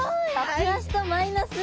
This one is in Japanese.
プラスとマイナスが。